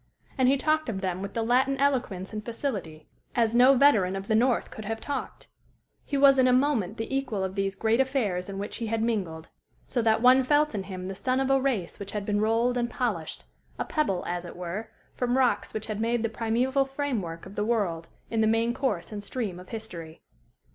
And he talked of them with the Latin eloquence and facility, as no veteran of the north could have talked; he was in a moment the equal of these great affairs in which he had mingled; so that one felt in him the son of a race which had been rolled and polished a pebble, as it were, from rocks which had made the primeval frame work of the world in the main course and stream of history.